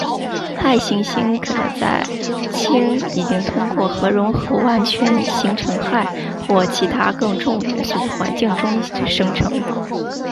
氦行星可能在氢已经通过核融合完全形成氦或其它更重元素的环境中生成。